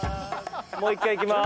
もう一回いきます。